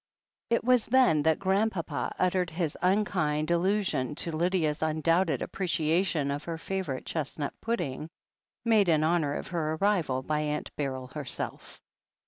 It was then that Grandpapa uttered his unkind allu sion to Lydia's tmdoubted appreciation of her favourite chestnut pudding, made in honour of her arrival by Atmt Beryl {lerself